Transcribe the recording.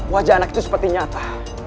wajah anak itu seperti nyata